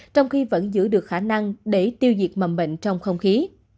trong khi vẫn giữ được khả năng để tiêu diệt mầm bệnh trong không khí